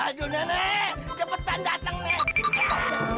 aduh nenek cepetan datang nih